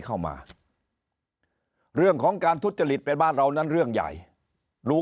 เข้ามาเรื่องของการทุจริตเป็นบ้านเรานั้นเรื่องใหญ่รู้